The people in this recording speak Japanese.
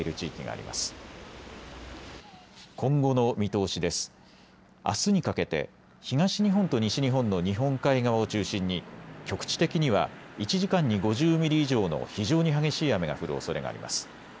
あすにかけて東日本と西日本の日本海側を中心に局地的には１時間に５０ミリ以上の非常に激しい雨が降るおそれがあります。